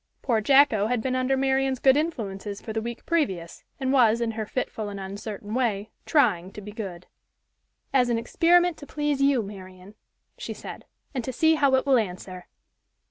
Poor Jacko had been under Marian's good influences for the week previous, and was, in her fitful and uncertain way, "trying to be good." "As an experiment to please you, Marian," she said, "and to see how it will answer."